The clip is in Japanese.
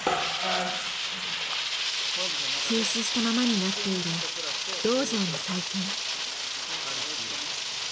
休止したままになっている道場の再建。